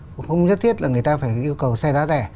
cũng không nhất thiết là người ta phải yêu cầu xe giá rẻ